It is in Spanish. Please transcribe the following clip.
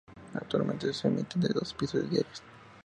Actualmente se emiten dos episodios diarios.